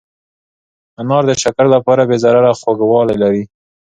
انار د شکر لپاره بې ضرره خوږوالی لري.